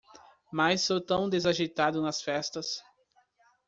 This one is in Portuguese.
Mas sou tão desajeitado nas festas.